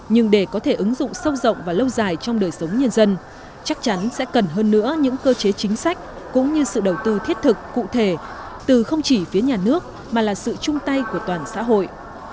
nhưng để có thể ứng dụng sâu rộng và lâu dài trong đời sống nhân dân chắc chắn sẽ cần hơn nữa những cơ chế chính sách cũng như sự đầu tư thiết thực cụ thể từ không chỉ phía nhà nước mà là sự chung tay của toàn xã hội